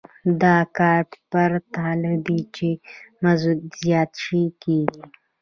دا کار پرته له دې چې مزد زیات شي کېږي